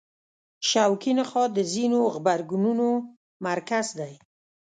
شوکي نخاع د ځینو غبرګونونو مرکز دی.